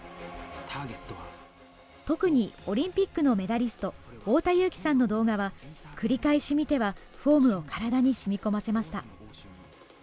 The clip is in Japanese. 特にオリンピックのメダリスト、太田雄貴さんの動画は、繰り返し見ては、フォームを体にしみこませました。